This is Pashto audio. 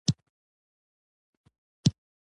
د درېواړو موخو لاسته راوړل